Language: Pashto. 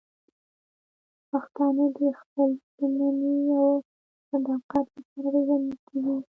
پښتانه د خپل ژمنې او صداقت لپاره پېژندل کېږي.